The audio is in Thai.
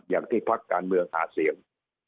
อย่างที่พักการเมืองหาเสียง